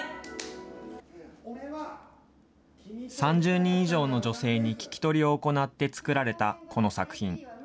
３０人以上の女性に聞き取りを行って作られたこの作品。